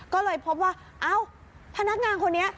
ก็เลยพบว่าเอ้าพนักงานคนนี้